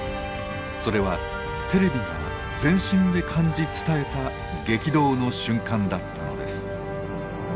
それはテレビが全身で感じ伝えた激動の瞬間だったのです。